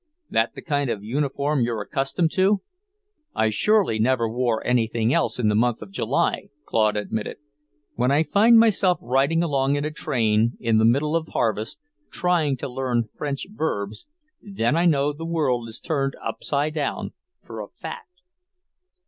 "That the kind of uniform you're accustomed to?" "I surely never wore anything else in the month of July," Claude admitted. "When I find myself riding along in a train, in the middle of harvest, trying to learn French verbs, then I know the world is turned upside down, for a fact!"